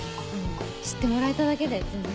知ってもらえただけで全然。